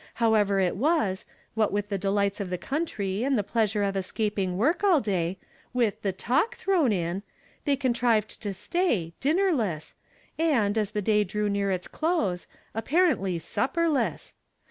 However it was, what with the delights of the country, and the pleasure of escaping work all day, with the 'talk' thrown in, they contrived to stay, dinner less, and, as the day drew near its close, apparently suppei less.